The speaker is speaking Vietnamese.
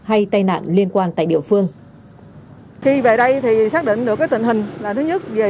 hay tai nạn liên quan tại địa phương